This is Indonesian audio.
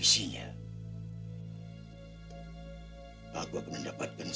siapa yang datang ya